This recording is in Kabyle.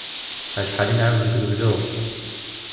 Acḥal i nεawez deg unebdu!